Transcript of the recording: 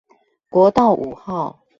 國道五號